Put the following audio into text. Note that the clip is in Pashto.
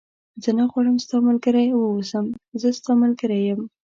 زه نه غواړم ستا ملګری و اوسم، زه ستا ملګری یم.